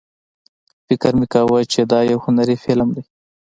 فکر مې کاوه چې دا یو هنري فلم دی.